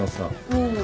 うん。